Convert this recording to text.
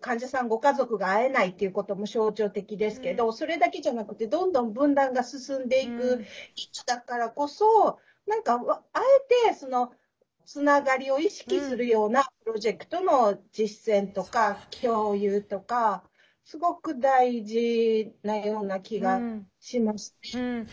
患者さんご家族が会えないっていうことも象徴的ですけどそれだけじゃなくてどんどん分断が進んでいくだからこそ何かあえて“つながり”を意識するようなプロジェクトの実践とか共有とかすごく大事なような気がしますね。